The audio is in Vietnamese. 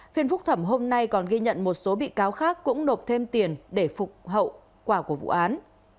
phiên phúc thẩm hôm nay còn ghi nhận một số bị cáo khác cũng nộp thêm tiền để phục hậu quả của vụ án